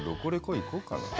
行こうかな。